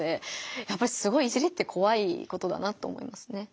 やっぱりすごい「いじり」ってこわいことだなと思いますね。